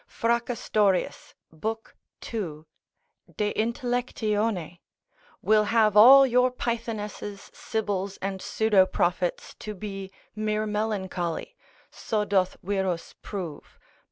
Fracastorius, lib. 2. de intellect, will have all your pythonesses, sibyls, and pseudoprophets to be mere melancholy, so doth Wierus prove, lib.